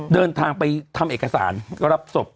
เดินทางไปทำเอกสารรับศพ